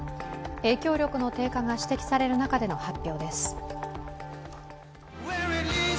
影響力の低下が指摘される中での発表です。